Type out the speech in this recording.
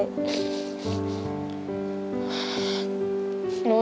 ผมคิดว่าสงสารแกครับ